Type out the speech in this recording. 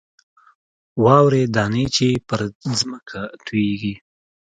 واورې دانې چې پر ځمکه تویېږي.